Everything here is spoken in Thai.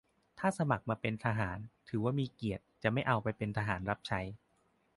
- ถ้าสมัครมาเป็นทหาร ถือว่ามีเกียรติ จะไม่เอาไปเป็นทหารรับใช้